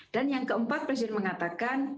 dan yang keempat presiden mengatakan